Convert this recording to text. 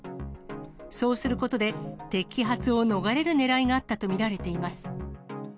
そうすることで、摘発を逃れるねらいがあったと見られています。